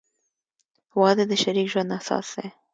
• واده د شریک ژوند اساس دی.